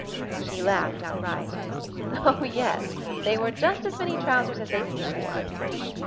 She laughed outright. "Oh, yes. They wear just as many trous ers as they did before."